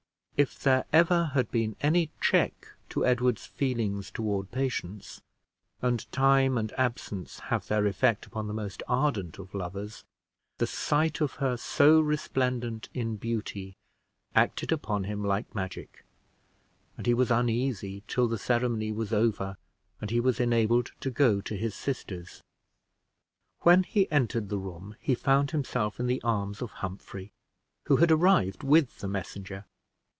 If there ever had been any check to Edward's feelings toward Patience and time and absence have their effect upon the most ardent of lovers the sight of her so resplendent in beauty acted upon him like magic; and he was uneasy till the ceremony was over and he was enabled to go to his sisters. When he entered the room, he found himself in the arms of Humphrey, who had arrived with the messenger.